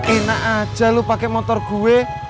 enak aja lu pakai motor gue